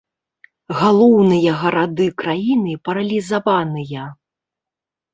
Галоўныя гарады краіны паралізаваныя.